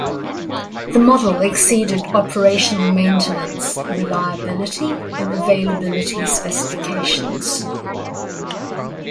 The model exceeded operational maintenance, reliability, and availability specifications.